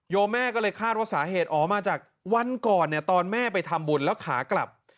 แม่ก็เลยคาดว่าสาเหตุอ๋อมาจากวันก่อนเนี่ยตอนแม่ไปทำบุญแล้วขากลับ